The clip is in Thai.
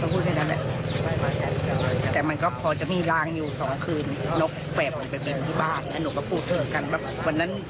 คือนกแวพอย่างเป็นที่บ้านอาหนูก็พูดเธอกันวันนั้น